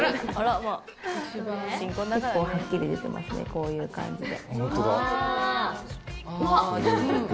こういう感じで。